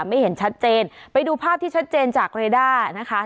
ไม่เห็นชัดเจนไปดูภาพที่ชัดเจนจากเรด้านะคะ